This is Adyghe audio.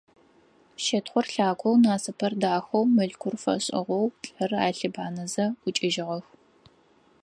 Щытхъур лъагэу, Насыпыр дахэу, Мылъкур фэшӏыгъэу, лӏыр алъыбанэзэ, ӏукӏыжьыгъэх.